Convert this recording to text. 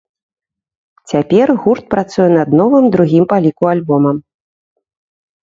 Цяпер гурт працуе над новым, другім па ліку, альбомам.